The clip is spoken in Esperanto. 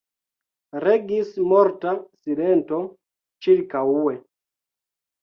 Regis morta silento ĉirkaŭe.